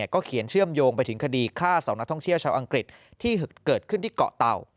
ก็เขียนเชื่อมโยงไปถึงคดีฆ่าสองนักท่องเที่ยวชาวอังกฤษที่เกิดขึ้นที่เกาะเต่า